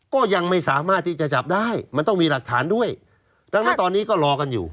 ก็ยังไม่สามารถที่จะจับได้มันต้องมีหลักฐานด้วยดังนั้นตอนนี้ก็รอกันอยู่